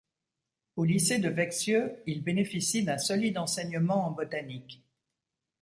Au lycée de Växjö, il bénéficie d'un solide enseignement en botanique.